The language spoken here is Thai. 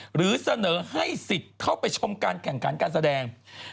หรือเสนอให้สิทธิ์เข้าไปชมการแข่งขันการแสดง